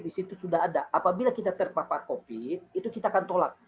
di situ sudah ada apabila kita terpapar covid itu kita akan tolak